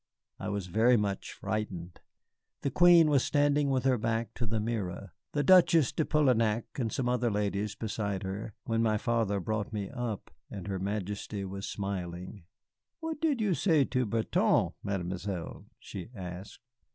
I was very much frightened. The Queen was standing with her back to the mirror, the Duchesse de Polignac and some other ladies beside her, when my father brought me up, and her Majesty was smiling. "'What did you say to Bertin, Mademoiselle?' she asked.